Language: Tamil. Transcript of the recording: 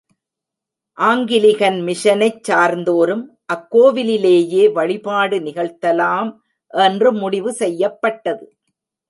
ஆங்கிலிகன் மிஷனைச் சார்ந்தோரும் அக்கோவிலிலேயே வழிபாடு நிகழ்த்தலாம் என்று முடிவு செய்யப்பட்டது.